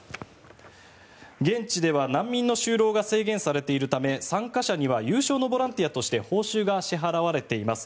現地では難民の就労が制限されているため参加者には有償のボランティアとして報酬が支払われています。